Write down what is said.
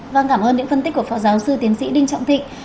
vâng cảm ơn những phân tích của phó giáo sư tiến sĩ đinh trọng thịnh